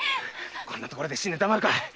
こんなところで死んでたまるか。